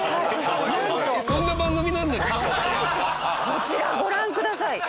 こちらご覧ください！